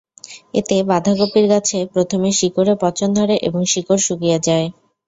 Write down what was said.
এতে বাঁধাকপির গাছে প্রথমে শিকড়ে পচন ধরে এবং শিকড় শুকিয়ে যায়।